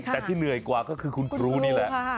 แต่ที่เหนื่อยกว่าก็คือคุณครูนี่แหละ